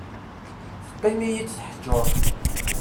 Teqqim-iyi-d teḥjurt.